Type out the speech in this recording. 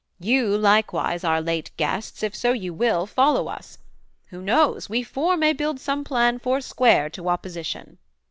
You, likewise, our late guests, if so you will, Follow us: who knows? we four may build some plan Foursquare to opposition.'